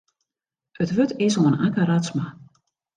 It wurd is oan Akke Radsma.